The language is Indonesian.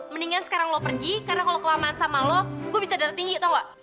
mendingan sekarang lo pergi karena kalau kelamaan sama lo gue bisa darah tinggi atau enggak